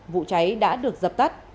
vụ cháy đã được dập tắt